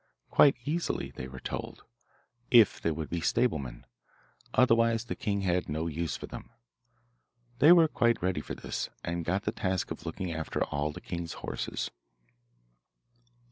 Quite easily, they were told, if they would be stablemen, otherwise the king had no use for them. They were quite ready for this, and got the task of looking after all the king's horses.